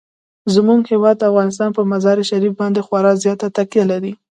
زموږ هیواد افغانستان په مزارشریف باندې خورا زیاته تکیه لري.